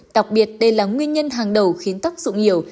đặc biệt đây là nguyên nhân hàng đầu khiến tóc rụng nhiều